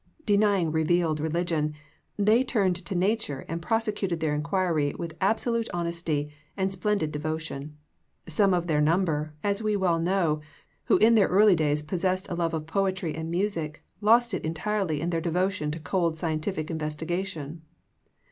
Denying revealed religion, they turned to nature and prosecuted their inquiry with absolute honesty and splendid devotion. Some of their number, as we well know, who in their early days possessed a love of poetry and music, lost it entirely in their devotion to cold scientific investigation.